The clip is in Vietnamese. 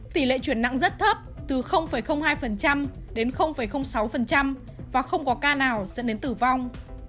tỷ lệ chuyển nặng rất thấp từ hai đến sáu và không có ca nào dẫn đến tử vong